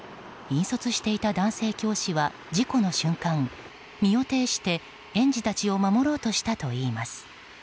引率していた男性教師は事故の瞬間身を挺して園児たちを守ろうとしたといいます。